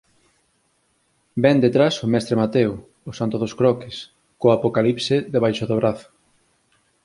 Vén detrás o mestre Mateo, o Santo dos Croques, co Apocalipse debaixo do brazo